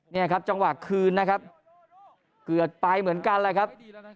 นี่ครับจังหวะคืนนะครับเกือบไปเหมือนกันแหละครับ